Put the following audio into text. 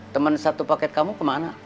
teman satu paket kamu kemana